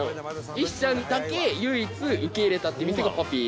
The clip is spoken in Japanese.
石ちゃんだけ唯一受け入れたっていう店が、パピー。